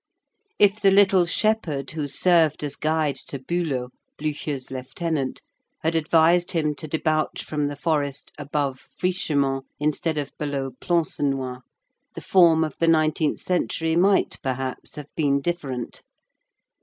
If the little shepherd who served as guide to Bülow, Blücher's lieutenant, had advised him to debouch from the forest above Frischemont, instead of below Plancenoit, the form of the nineteenth century might, perhaps, have been different.